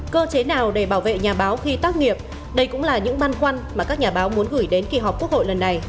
cơ chế nào để bảo vệ nhà báo khi tác nghiệp đây cũng là những băn khoăn mà các nhà báo muốn gửi đến kỳ họp quốc hội lần này